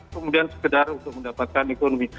kemudian sekedar untuk mendapatkan ekonomi